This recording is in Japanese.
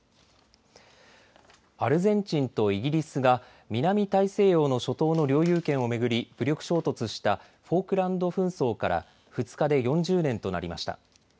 アルゼンチンとイギリスが南大西洋の諸島の領有権を巡り武力衝突したフォークランド紛争から２日で４０年となりました。